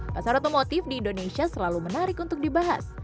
pasar otomotif di indonesia selalu menarik untuk dibahas